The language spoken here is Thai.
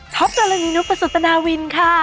ท็อปเจอร์ละนีนุปสุตนาวินค่ะ